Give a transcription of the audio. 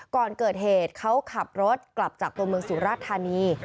ก่อนเกิดเหตุเขาขับรถกลับจากตัวเมืองสุราชธานี